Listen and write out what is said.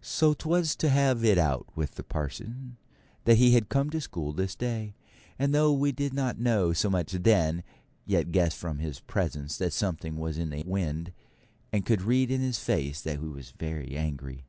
So 'twas to have it out with the parson that he had come to school this day; and though we did not know so much then, yet guessed from his presence that something was in the wind, and could read in his face that he was very angry.